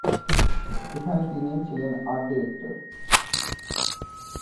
এখানে তিনি ছিলেন আর্ট ডিরেক্টর।